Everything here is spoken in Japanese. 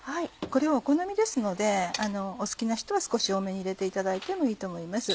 これはお好みですので好きな人は少し多めに入れていただいてもいいと思います